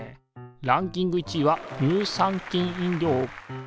ランキング１位は乳酸菌飲料。